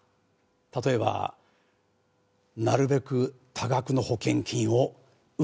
例えばなるべく多額の保険金を受け取りたいとか。